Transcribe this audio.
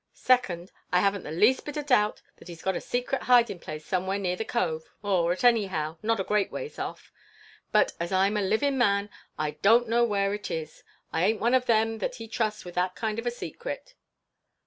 Second, I haven't the least bit of doubt that he's got a secret hidin' place somewhere near the Cove, or, anyhow, not a great ways off; but, as I'm a livin' man, I don't know where it is. I aint one of them that he trusts with that kind of a secret."